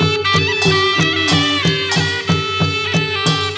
มีชื่อว่าโนราตัวอ่อนครับ